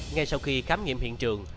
ngay sau khi khám nghiệm hiện trường